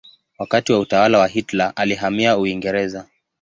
Wakati wa utawala wa Hitler alihamia Uingereza.